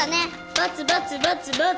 バツバツバツバツ。